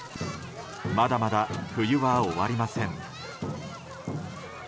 まだまだ冬は終わりません。